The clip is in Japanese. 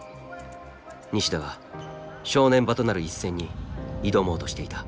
西田は正念場となる一戦に挑もうとしていた。